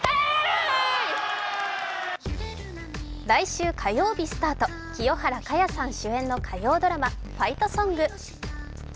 来週火曜日スタート、清原果耶さん主演の火曜ドラマ「ファイトソング」。